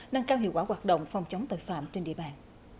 nâng cao hiệu quả hoạt động phòng chống tội phạm trên địa bàn